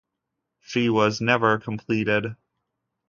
She was never completed.